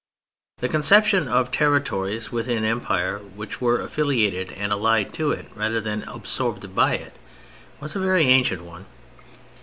The conception of territories within the Empire which were affiliated and allied to it rather than absorbed by it, was a very ancient one.